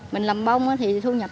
mình làm bông thì thu nhập